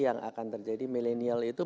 yang akan terjadi milenial itu